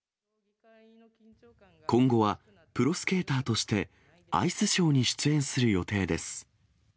今後はプロスケーターとして、アイスショーに出演する予定です。